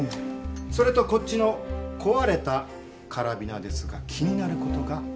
それとこっちの壊れたカラビナですが気になる事が。